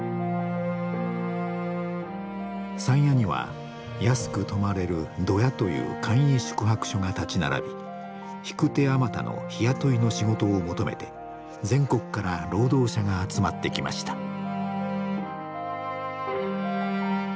山谷には安く泊まれるドヤという簡易宿泊所が立ち並び引く手あまたの日雇いの仕事を求めて全国から労働者が集まってきました。